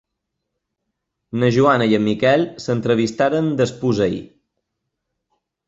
La Joana i en Miquel s'entrevistaren abans d'ahir.